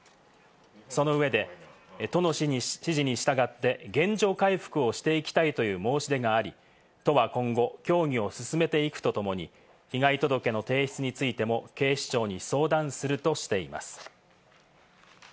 その上で、都の指示に従って原状回復をしていきたいという申し出があり、都は今後、協議を進めていくとともに、被害届の提出についても警視庁に相談するとしています。